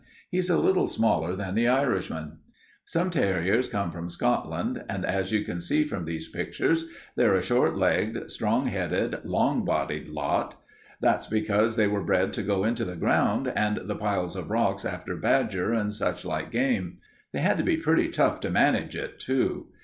He's a little smaller than the Irishman. "Several terriers come from Scotland, and as you can see from these pictures they're a short legged, strong headed, long bodied lot. That's because they were bred to go into the ground and the piles of rocks after badger and such like game. They had to be pretty tough to manage it, too.